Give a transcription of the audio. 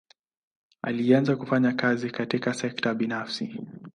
Alianza kufanya kazi katika sekta binafsi.